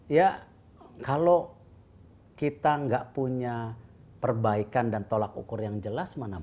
ya kalau kita nggak punya perbaikan dan tolak ukur yang jelas mana